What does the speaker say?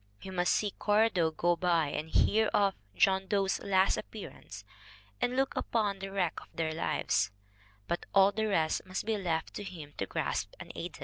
He must see Cora Doe go by and hear of John Doe's last appear ance and look upon the wreck of their lives but all the rest must be left to him to grasp unaided!